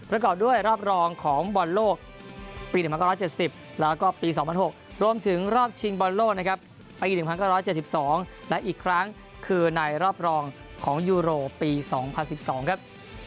ประกอบด้วยรอบรองของบอลโลกปี๑๙๗๐แล้วก็ปี๒๐๐๖รวมถึงรอบชิงบอลโลกนะครับปี๑๙๗๒และอีกครั้งคือในรอบรองของยูโรปี๒๐๑๒ครับ